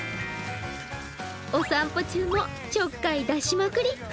お散歩中もちょっかい出しまくり。